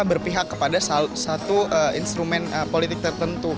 berpihak kepada satu instrumen politik tertentu